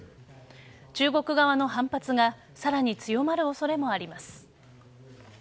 中国側の反発がさらに強まる恐れもあります。